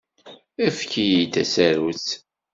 Efk-iyi-d tasarut.